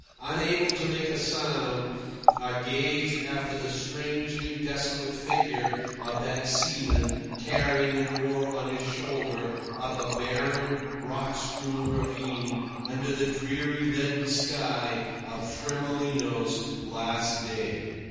Unable to make a sound, I gazed after the strangely desolate figure of that seaman carrying an oar on his shoulder up a barren, rock strewn ravine under the dreary leaden sky of Tremolino's last day.